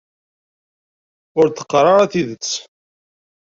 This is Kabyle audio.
Ur d-qqar ara tidet.